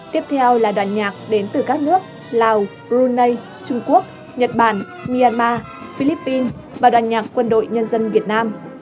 tiếp theo là đoàn nhạc đến từ các nước lào brunei trung quốc nhật bản myanmar philippines và đoàn nhạc quân đội nhân dân việt nam